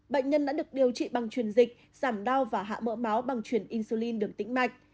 bệnh nhân đã được điều trị bằng truyền dịch giảm đau và hạ mỡ máu bằng truyền insulin đường tính mạch